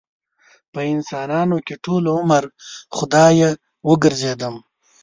په انسانانو کې ټول عمر خدايه وګرځېدم